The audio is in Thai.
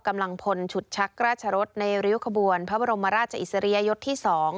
กำลังพลฉุดชักราชรสในริ้วขบวนพระบรมราชอิสริยยศที่๒